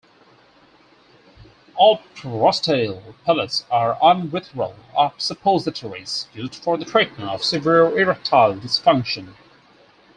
Alprostadil pellets are urethral suppositories used for the treatment of severe erectile dysfunction.